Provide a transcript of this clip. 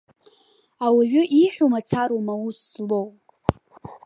Ауаҩы ииҳәо мацароума аус злоу?